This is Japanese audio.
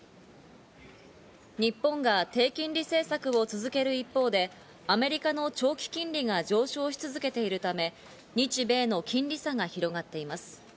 日本が低金利政策を続ける一方でアメリカの長期金利が上昇し続けているため、日米の金利差が広がっています。